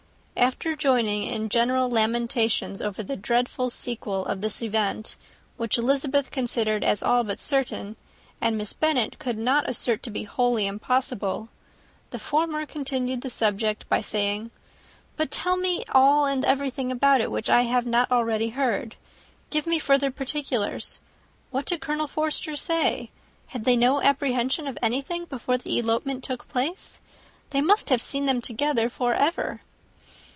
After joining in general lamentations over the dreadful sequel of this event, which Elizabeth considered as all but certain, and Miss Bennet could not assert to be wholly impossible, the former continued the subject by saying, "But tell me all and everything about it which I have not already heard. Give me further particulars. What did Colonel Forster say? Had they no apprehension of anything before the elopement took place? They must have seen them together for ever."